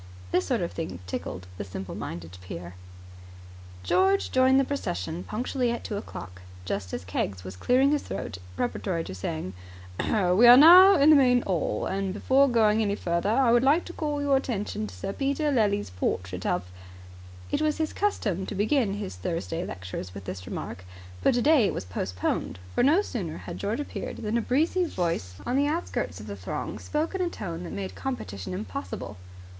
This sort of thing tickled the simple minded peer. George joined the procession punctually at two o'clock, just as Keggs was clearing his throat preparatory to saying, "We are now in the main 'all, and before going any further I would like to call your attention to Sir Peter Lely's portrait of " It was his custom to begin his Thursday lectures with this remark, but today it was postponed; for, no sooner had George appeared, than a breezy voice on the outskirts of the throng spoke in a tone that made competition impossible.